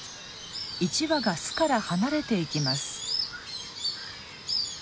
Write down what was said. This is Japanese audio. １羽が巣から離れていきます。